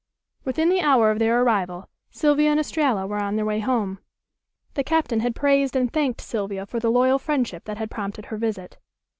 Within the hour of their arrival Sylvia and Estralla were on their way home. The Captain had praised and thanked Sylvia for the loyal friendship that had prompted her visit.